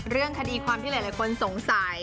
เรื่องคดีความที่หลายคนสงสัย